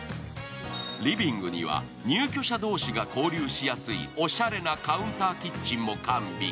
リビングには入居者同士が交流しやすい、おしゃれなカウンターキッチンも完備。